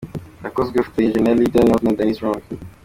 Yakozwe afatanyije na Lee Daniels na Danny Strong.